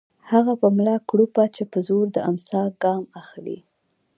هغه په ملا کړوپه چې په زور د امساء ګام اخلي